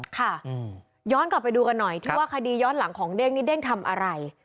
ค่ะย้อนกลับไปดูกันหน่อยที่ว่าคดีย้อนหลังของเด้งนี่เด้งทำอะไร